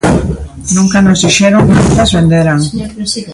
Nunca nos dixeron cantas venderan.